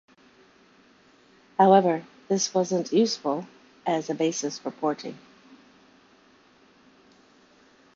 However, this wasn't useful as a basis for porting.